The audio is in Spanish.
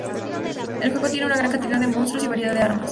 El juego tiene una gran cantidad de monstruos y variedad de armas.